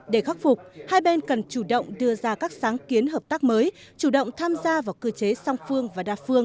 để khắc phục hai bên cần chủ động đưa ra các sáng kiến hợp tác mới chủ động tham gia vào cơ chế song phương và đa phương